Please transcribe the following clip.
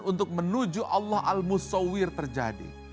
untuk menuju allah al musawir terjadi